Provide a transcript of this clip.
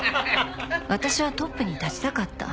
私はトップに立ちたかった。